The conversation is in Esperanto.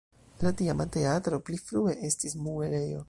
La tiama teatro pli frue estis muelejo.